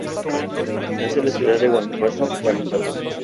Nace en la Ciudad de Guanajuato, Guanajuato.